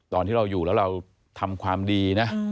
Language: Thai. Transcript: ตอนที่เราอยู่แล้วเราทำความดีนะ